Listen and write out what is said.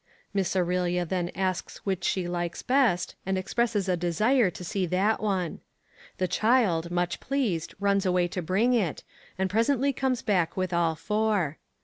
Miss Aurelia then asks which she likes best, and expresses a desire to see that one. The child, much pleased, runs away to bring it, and presently comes back with all four.